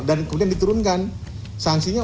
dan kemudian diturunkan sanksinya